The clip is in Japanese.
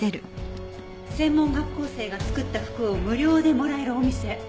「専門学校生が作った服を無料でもらえるお店」